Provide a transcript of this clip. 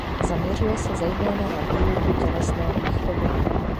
Zaměřuje se zejména na výuku tělesné výchovy.